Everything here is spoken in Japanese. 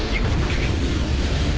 くっ！